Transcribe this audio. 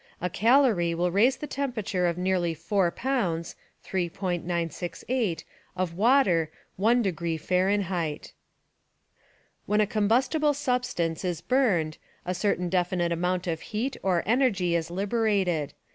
A calorie will raise the temperature of nearly four pounds (3.968) of water one degree Fahrenheit. When a combustible substance is burned a certain definite amount of heat or energy is liberated.